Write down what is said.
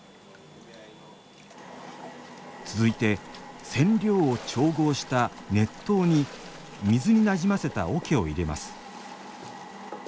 続いて染料を調合した熱湯に水になじませた桶を入れます。